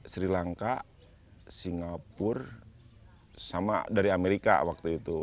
sri lanka singapura sama dari amerika waktu itu